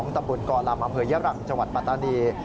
ตำบลก่อลำอเผยยะหลังจวัตรปฏฒณีย์